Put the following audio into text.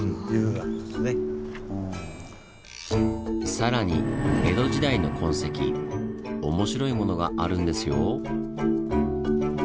さらに江戸時代の痕跡面白いものがあるんですよ！